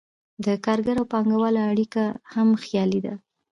د کارګر او پانګهوال اړیکه هم خیالي ده.